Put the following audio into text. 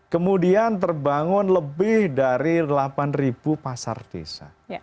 kemudian terbangun lebih dari delapan pasar desa